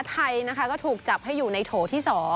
ไทยนะคะก็ถูกจับให้อยู่ในโถที่๒